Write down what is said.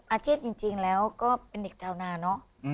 อาชีพจริงแล้วก็เป็นเด็กชาวนาเนอะ